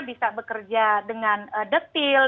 bisa bekerja dengan detil